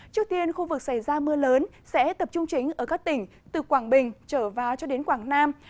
trước tiên khu vực xảy ra mưa lớn sẽ tập trung chính ở các tỉnh từ quảng bình trở vào cho đến quảng nam